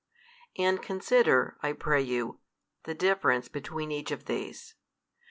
And consider, I pray you, the difference between each of these.